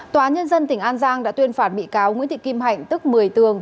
tòa nhân dân tỉnh an giang đã tuyên phạt bị cáo nguyễn thị kim hạnh tức một mươi tường